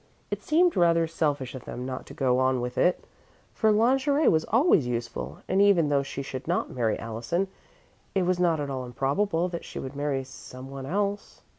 It seemed rather selfish of them not to go on with it, for lingerie was always useful, and even though she should not marry Allison, it was not at all improbable that she would marry someone else.